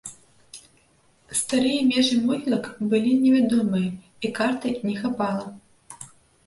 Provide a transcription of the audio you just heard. Старыя межы могілак былі невядомыя і карты не хапала.